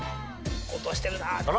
落としてるなって。